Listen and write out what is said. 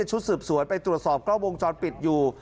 ชุดสืบสวนไปตรวจสอบกล้องวงจรปิดอยู่